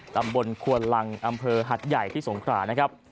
ตำบลควนลังอำเภอหัดใหญ่ที่สงขรานะครับ